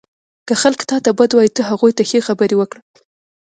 • که خلک تا ته بد وایي، ته هغوی ته ښې خبرې وکړه.